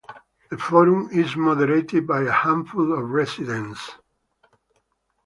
The forum is moderated by a handful of residents.